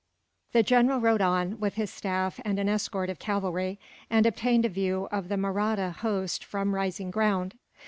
] The general rode on, with his staff and an escort of cavalry, and obtained a view of the Mahratta host from rising ground.